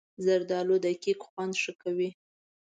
زردالو د کیک خوند ښه کوي.